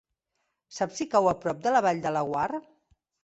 Saps si cau a prop de la Vall de Laguar?